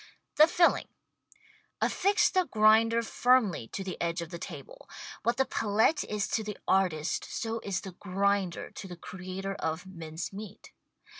The Filling Affix the grinder firmly to the edge of the table. What the palette is to the artist so is the grinder to the creator of mince meat.